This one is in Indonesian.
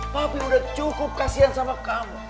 papi sudah cukup kasihan sama kamu